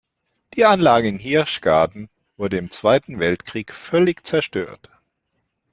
Die Anlage in Hirschgarten wurde im Zweiten Weltkrieg völlig zerstört.